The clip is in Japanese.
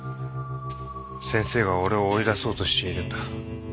先生が俺を追い出そうとしているんだ。